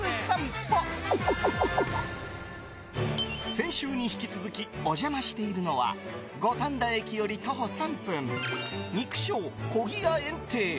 先週に引き続きお邪魔しているのは五反田駅より徒歩３分肉匠コギヤ宴庭。